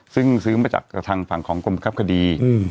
ซึ่งซื้อมาจากทางฝั่งของกรมบังคับคดี